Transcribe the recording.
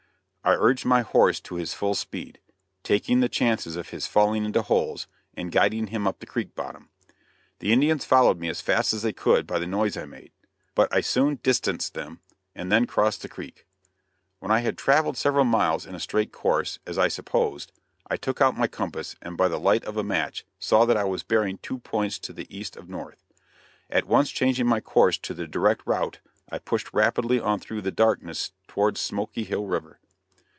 I urged my horse to his full speed, taking the chances of his falling into holes, and guided him up the creek bottom. The Indians followed me as fast as they could by the noise I made, but I soon distanced them; and then crossed the creek. When I had traveled several miles in a straight course, as I supposed, I took out my compass and by the light of a match saw that I was bearing two points to the east of north. At once changing my course to the direct route, I pushed rapidly on through the darkness towards Smoky Hill River.